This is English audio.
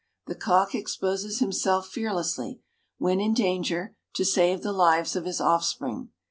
The cock exposes himself fearlessly, when in danger, to save the lives of his offspring.